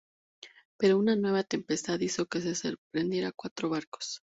Pero una nueva tempestad hizo que se perdieran cuatro barcos.